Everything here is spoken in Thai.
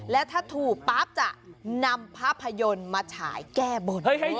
และถ้าถูกปั๊บจะนำภาพยนตร์มาฉายแก้บน